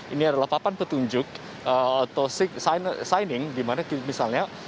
ini adalah papan petunjuk atau signing dimana misalnya